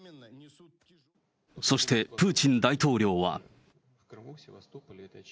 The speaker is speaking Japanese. そして、プーチン大統領は。